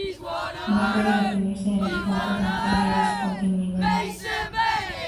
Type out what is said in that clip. No puede definirse en los puntos en que hay discontinuidades.